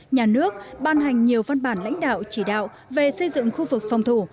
nhà nước ban hành nhiều văn bản lãnh đạo chỉ đạo về xây dựng khu vực phòng thủ